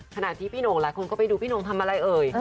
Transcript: ขณะที่พี่หน่งหลายคนก็ไปดูพี่หน่งทำอะไรเอ่ย